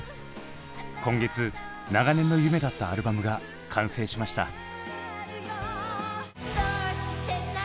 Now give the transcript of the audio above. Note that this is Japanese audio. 今月長年の夢だった特別なアルバムが完成しました。